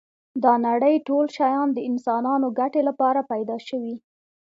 دا نړی ټول شیان د انسانانو ګټی لپاره پيدا شوی